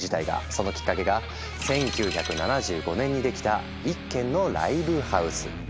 そのきっかけが１９７５年にできた一軒のライブハウス。